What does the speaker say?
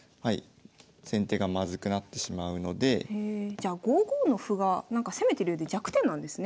じゃあ５五の歩が攻めてるようで弱点なんですね。